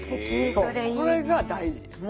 そうこれが大事。